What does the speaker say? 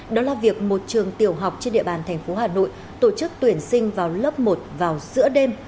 đó là việc một trường tiểu học trên địa bàn thành phố hà nội tổ chức tuyển sinh vào lớp một vào giữa đêm